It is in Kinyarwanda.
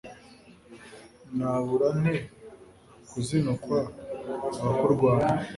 Nabura nte kuzinukwa abakurwanya?